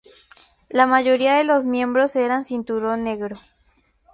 La mayoría de los miembros eran cinturón negro.